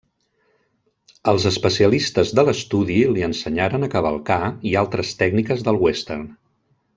Els especialistes de l'estudi li ensenyaren a cavalcar i altres tècniques del western.